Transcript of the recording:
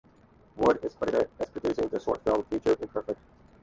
Wood is credited as producing the short film Future Imperfect.